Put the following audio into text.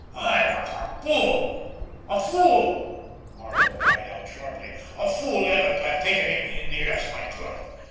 "I was a fool—a fool!" Marco cried out sharply. "A fool, ever to have taken him in here as my clerk!